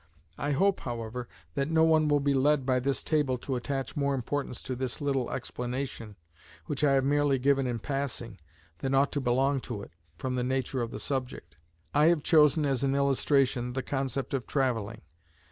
I hope, however, that no one will be led by this table to attach more importance to this little explanation, which I have merely given in passing, than ought to belong to it, from the nature of the subject. I have chosen as an illustration the concept of travelling.